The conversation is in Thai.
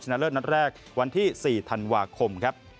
ชนะเลิศนัดแรกวันที่๔ธันวาคม